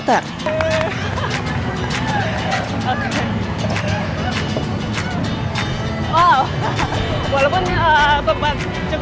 tapi sangat menarik